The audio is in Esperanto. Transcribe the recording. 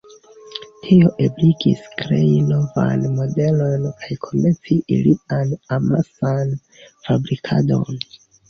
Tio ebligis krei novajn modelojn kaj komenci ilian amasan fabrikadon.